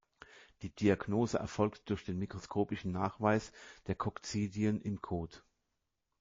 Die Diagnose erfolgt durch den mikroskopischen Nachweis der Kokzidien im Kot.